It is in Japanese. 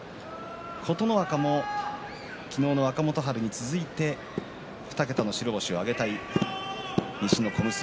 琴ノ若も昨日の若元春に続いて２桁の白星を挙げたい西の小結。